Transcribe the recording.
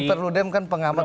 perludem kan pengawas pemilu